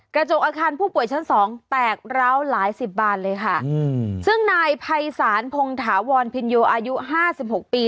กระจกอาคารผู้ป่วยชั้นสองแตกร้าวหลายสิบบานเลยค่ะอืมซึ่งนายภัยศาลพงถาวรพินโยอายุห้าสิบหกปี